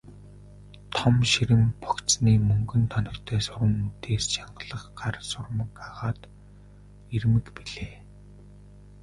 Том ширэн богцны мөнгөн тоногтой суран үдээс чангалах гар сурмаг агаад эрмэг билээ.